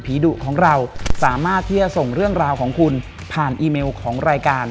ดุของเราสามารถที่จะส่งเรื่องราวของคุณผ่านอีเมลของรายการ